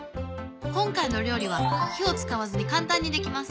今回の料理は火を使わずに簡単に出来ます。